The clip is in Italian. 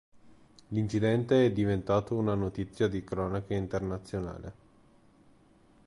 L'incidente è diventato una notizia di cronaca internazionale.